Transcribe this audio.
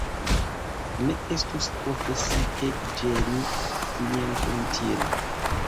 Ne estus profesie ĝeni klienton tiel.